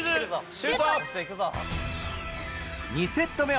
シュート！